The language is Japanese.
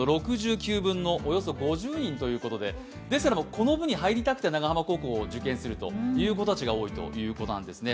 この部に入りたくて長浜高校を受験するという子たちが多いということなんですね。